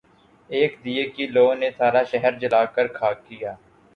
ایک دیے کی لو نے سارا شہر جلا کر خاک کیا